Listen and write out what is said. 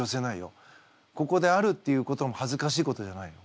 ここであるっていうことも恥ずかしいことじゃないよ。